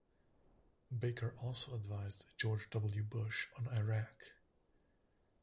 Baker also advised George W. Bush on Iraq.